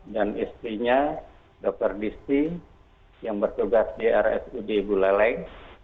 dan istrinya dokter disti yang bertugas di rsud buleleng